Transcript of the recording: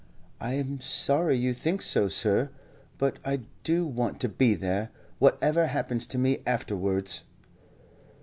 "I am sorry you think so, sir; but I do want to be there, whatever happens to me afterwards."